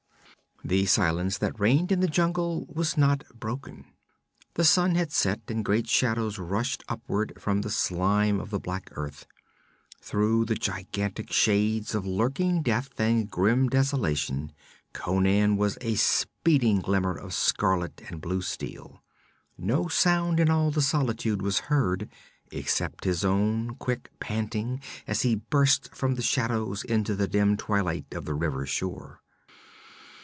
The silence that reigned in the jungle was not broken. The sun had set and great shadows rushed upward from the slime of the black earth. Through the gigantic shades of lurking death and grim desolation Conan was a speeding glimmer of scarlet and blue steel. No sound in all the solitude was heard except his own quick panting as he burst from the shadows into the dim twilight of the river shore.